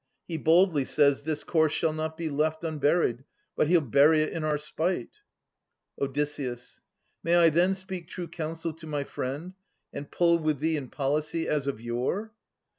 He boldly says this corse shall not be left Unburied, but he'll bury it in our spite. Od. May I then speak true counsel to my friend, And pull with thee in policy as of yore